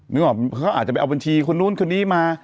นึกออกเขาอาจจะไปเอาบัญชีคนนู้นคนนี้มา